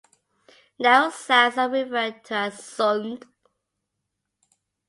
Narrow sounds are referred to as "sund".